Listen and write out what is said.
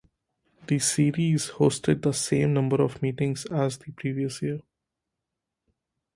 The series hosted the same number of meetings as the previous year.